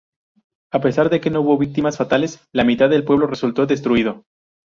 A pesar de que no hubo víctimas fatales, la mitad del pueblo resultó destruido.